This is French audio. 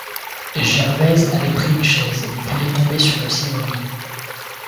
Gervaise avait pris une chaise, voulait tomber sur le serrurier.